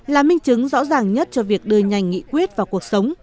là minh chứng rõ ràng nhất cho việc đưa nhanh nghị quyết vào cuộc sống